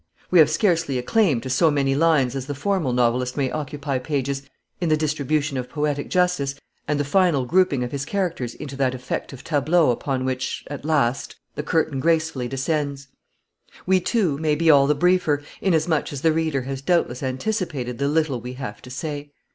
We have scarcely a claim to so many lines as the formal novelist may occupy pages, in the distribution of poetic justice, and the final grouping of his characters into that effective tableau upon which, at last, the curtain gracefully descends. We, too, may be all the briefer, inasmuch as the reader has doubtless anticipated the little we have to say.